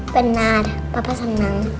benar papa senang